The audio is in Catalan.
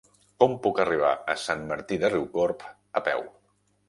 Com puc arribar a Sant Martí de Riucorb a peu?